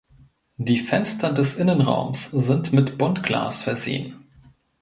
Die Fenster des Innenraums sind mit Buntglas versehen.